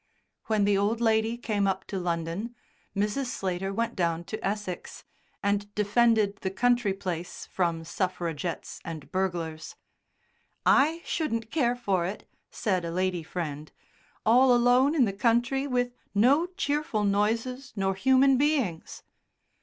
When the old lady came up to London Mrs. Slater went down to Essex and defended the country place from suffragettes and burglars. "I shouldn't care for it," said a lady friend, "all alone in the country with no cheerful noises nor human beings."